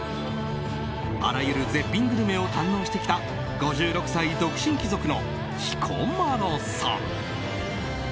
あらゆる絶品グルメを堪能してきた５６歳、独身貴族の彦摩呂さん。